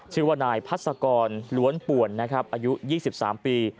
ชื่อว่านายพัศกรล้วนป่วนนะครับอายุ๒๓ปี